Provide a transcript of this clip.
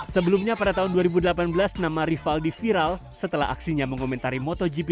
sebelumnya pada tahun dua ribu delapan belas nama rivaldi viral setelah aksinya mengomentari motogp